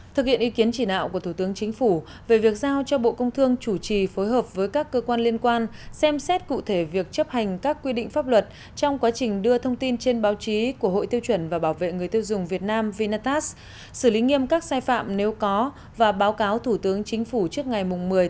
thực hiện ý kiến chỉ đạo của thủ tướng chính phủ về việc giao cho bộ công thương chủ trì phối hợp với các cơ quan liên quan xem xét cụ thể việc chấp hành các quy định pháp luật trong quá trình đưa thông tin trên báo chí của hội tiêu chuẩn và bảo vệ người tiêu dùng việt nam vinastat xử lý nghiêm các sai phạm nếu có và báo cáo thủ tướng chính phủ trước ngày một mươi một mươi một hai nghìn một mươi sáu